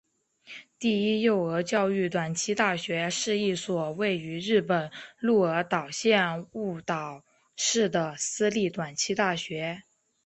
第一幼儿教育短期大学是一所位于日本鹿儿岛县雾岛市的私立短期大学。